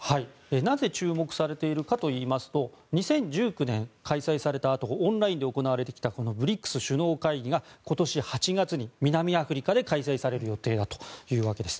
なぜ注目されているかといいますと２０１９年、開催されたあとオンラインで行われてきたこのＢＲＩＣＳ首脳会議が今年８月に南アフリカで開催される予定だというわけです。